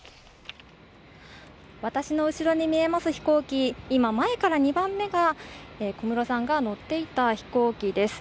私の後ろに見えます飛行機、前から２番目が小室さんが乗っていた飛行機です。